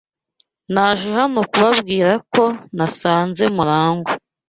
Naje hano kubabwira ko nasanze Murangwa.